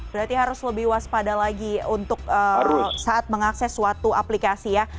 berarti harus lebih waspada lagi untuk saat mengakses suatu aplikasi ya